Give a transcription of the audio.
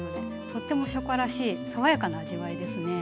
とっても初夏らしい爽やかな味わいですね。